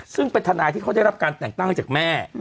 ซึ่งเป็นทนายที่เขาได้รับการแต่งตั้งจากแม่